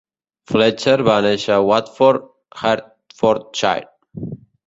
Fletcher va néixer a Watford, Hertfordshire.